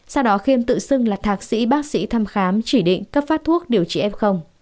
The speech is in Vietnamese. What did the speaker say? sau đó khiêm tự xưng là thạc sĩ bác sĩ thăm khám chỉ định cấp phát thuốc điều trị f